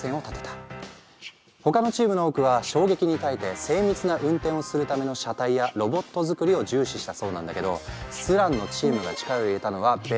他のチームの多くは衝撃に耐えて精密な運転をするための車体やロボット作りを重視したそうなんだけどスランのチームが力を入れたのは別のことだったの。